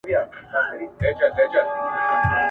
که دا مېنه د « امان » وه د تیارو لمن ټولیږي ..